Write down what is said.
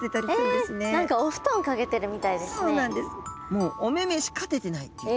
もうお目目しか出てないっていう。